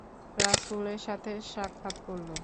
রাসূলের সাথে সাক্ষাৎ করল।